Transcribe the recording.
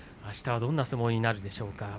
あすはどんな相撲になるんでしょうか。